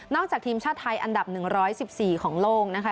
นอกจากทีมชาติไทยอันดับ๑๑๔ของโลก